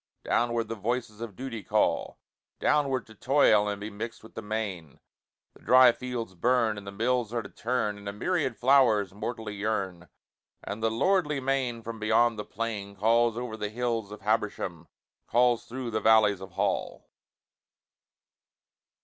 Downward the voices of Duty call Downward, to toil and be mixed with the main, The dry fields burn, and the mills are to turn, And a myriad flowers mortally yearn, And the lordly main from beyond the plain Calls o'er the hills of Habersham, Calls through the valleys of Hall.